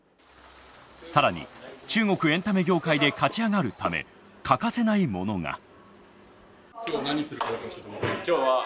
更に中国エンタメ業界で勝ち上がるため欠かせないものが。